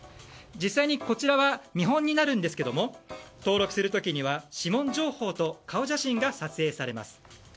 実際にこちらは見本になるんですが登録する時には指紋情報と顔写真が撮影されます。